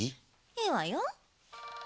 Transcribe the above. いいわよ。